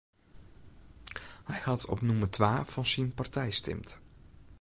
Hy hat op nûmer twa fan syn partij stimd.